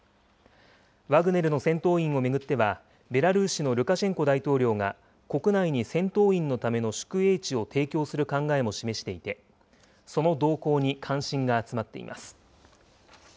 ワグネルの戦闘員を巡っては、ベラルーシのルカシェンコ大統領が国内に戦闘員のための宿営地を提供する考えも示していて、その動向に関心が集まっています。